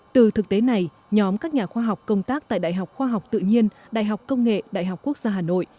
từ thực tế này nhóm các nhà khoa học công tác tại đại học khoa học tự nhiên đại học công nghệ đại học quốc gia hà nội